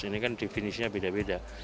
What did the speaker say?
ini kan definisinya beda beda